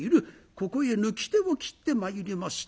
ここへ抜き手を切ってまいりました